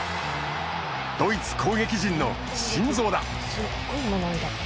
ドイツ攻撃陣の心臓だ。